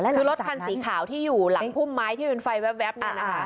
คือรถคันสีขาวที่อยู่หลังพุ่มไม้ที่เป็นไฟแว๊บเนี่ยนะคะ